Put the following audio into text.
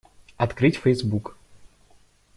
Открыть Facebook.